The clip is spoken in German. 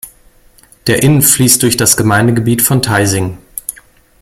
Der Inn fließt durch das Gemeindegebiet von Teising.